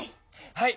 はい！